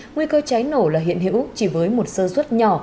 nguy cơ cháy nổ là hiện hữu chỉ với một sơ suất nhỏ